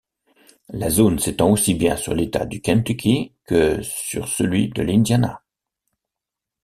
La zone s'étend aussi bien sur l'État du Kentucky que sur celui de l'Indiana.